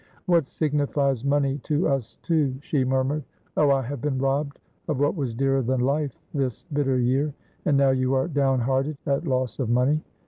"What signifies money to us two?" she murmured. "Oh, I have been robbed of what was dearer than life this bitter year, and now you are down hearted at loss of money.